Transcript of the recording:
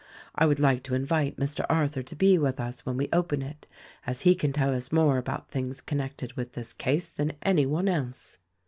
I would like to invite Mr. Arthur to be with us when we open it, as he can tell us more about things connected with this case than anyone else."